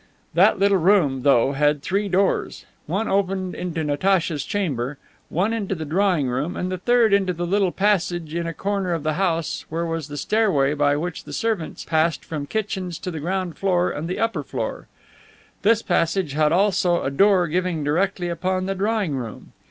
That little room, though, had three doors. One opened into Natacha's chamber, one into the drawing room, and the third into the little passage in a corner of the house where was the stairway by which the servants passed from the kitchens to the ground floor and the upper floor. This passage had also a door giving directly upon the drawing room.